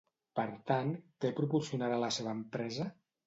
Per tant, què proporcionarà la seva empresa?